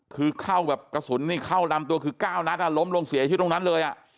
คือเข้าแบบกระสุนนี่เข้าลำตัวคือ๙นัดล้มลงเสียชีวิตตรงนั้นเลยอ่ะ